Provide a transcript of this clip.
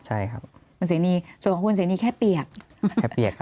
ใช่ครับส่วนของคุณเสียงนี้แค่เปียกแค่เปียกครับ